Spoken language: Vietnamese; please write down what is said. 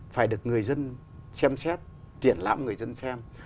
phải được người dân xem xét triển lãm người dân xem